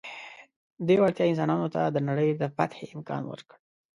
دې وړتیا انسانانو ته د نړۍ د فتحې امکان ورکړ.